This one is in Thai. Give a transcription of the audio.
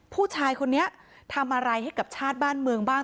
ผู้ชายคนนี้ทำอะไรให้กับชาติบ้านเมืองบ้าง